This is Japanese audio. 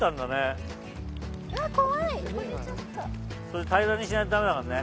れ平らにしないとダメだからね。